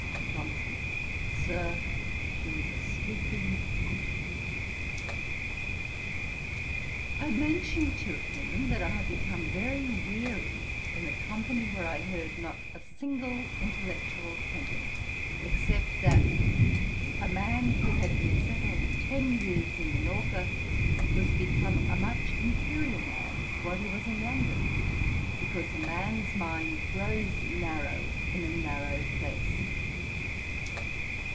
JOHNSON. 'Sir, she was a speaking cat.' I mentioned to him that I had become very weary in a company where I heard not a single intellectual sentence, except that 'a man who had been settled ten years in Minorca was become a much inferiour man to what he was in London, because a man's mind grows narrow in a narrow place.'